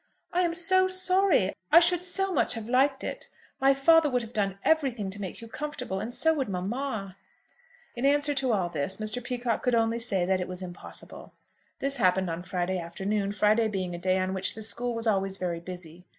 "I am so sorry! I should so much have liked it. My father would have done everything to make you comfortable, and so would mamma." In answer to all this Mr. Peacocke could only say that it was impossible. This happened on Friday afternoon, Friday being a day on which the school was always very busy.